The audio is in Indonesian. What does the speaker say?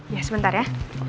ya sebentar ya